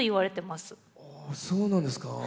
そうなんですか。